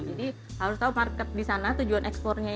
jadi harus tahu market di sana tujuan ekspornya